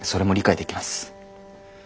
それも理解できます。